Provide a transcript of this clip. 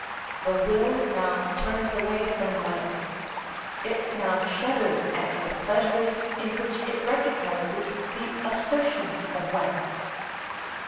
The will now turns away from life; it now shudders at the pleasures in which it recognises the assertion of life.